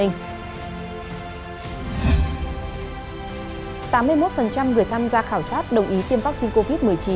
tám mươi một người tham gia khảo sát đồng ý tiêm vaccine covid một mươi chín